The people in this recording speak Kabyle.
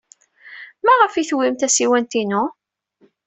Maɣef ay tewwim tasiwant-inu?